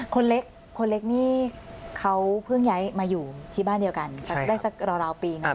คนเล็กคนเล็กนี่เขาเพิ่งย้ายมาอยู่ที่บ้านเดียวกันสักได้สักราวปีหนึ่ง